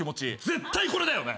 絶対これだよね。